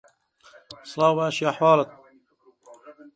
دەبێت کەسێک ڕێبەرایەتی بکات.